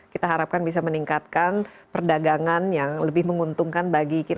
kita harapkan bisa meningkatkan perdagangan yang lebih menguntungkan bagi kita